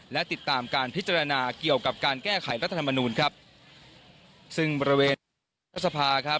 และติดตามการพิจารณาเกี่ยวกับการแก้ไขรัฐธรรมนูลครับซึ่งบริเวณรัฐสภาครับ